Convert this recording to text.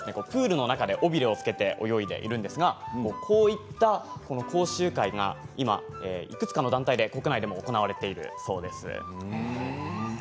プールの中で尾びれをつけて泳いでいるんですが、こういった講習会が今いくつかの団体で国内で行われているそうです。